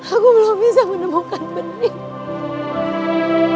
aku belum bisa menemukan bening